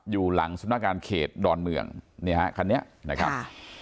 อยู่หลังสำนักงานเขตดอนเมืองเนี่ยฮะคันนี้นะครับ